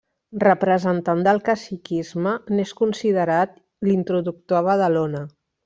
Representant del caciquisme, n'és considerat l'introductor a Badalona.